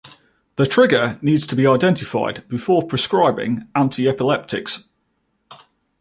The trigger needs to be identified before prescribing anti-epileptics.